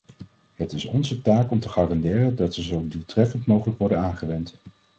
Het is onze taak om te garanderen dat ze zo doeltreffend mogelijk worden aangewend.